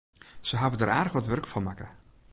Se hawwe der aardich wat wurk fan makke.